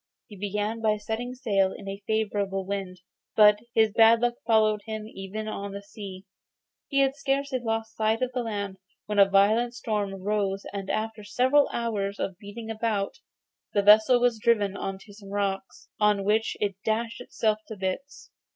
He began by setting sail in a favourable wind, but his bad luck followed him even on the sea. He had scarcely lost sight of the land when a violent storm arose, and after several hours of beating about, the vessel was driven on to some rocks, on which it dashed itself to bits.